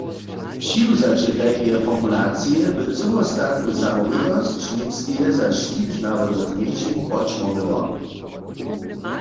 Přiwzace tajkeje formulacije by cyłostatnu zamołwitosć Němskeje za škit narodnych mjeńšin podšmórnyło.